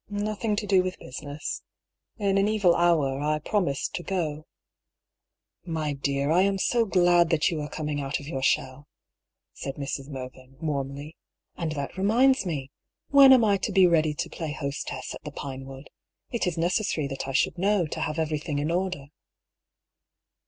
" Nothing to do with business. In an evil hour I promised to go." " My dear, I am so glad that you are coming out of your shell," said Mrs. Mervyn, warmly. " And that reminds me. When am I to be ready to play hostess at the Pinewood? It is necessary that I should' know, to have everything in order."